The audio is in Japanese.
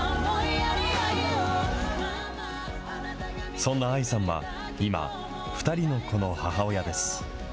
そんなＡＩさんは今、２人の子の母親です。